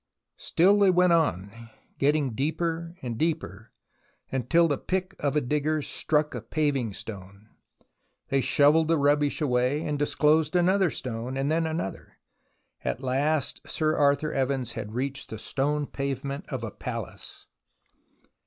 Still they went on, getting deeper and deeper, until the pick of a digger struck a paving stone. They shovelled the rubbish away and disclosed another stone, then another. At last Sir Arthur Evans had reached the stone pavement of a palace.